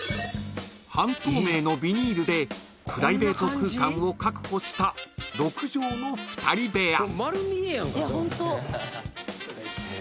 ［半透明のビニールでプライベート空間を確保した６畳の２人部屋］